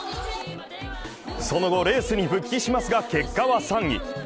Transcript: その後、レースに復帰しますが、結果は３位。